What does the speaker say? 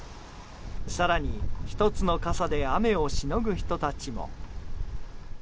更に、１つの傘で雨をしのぐ人たちも。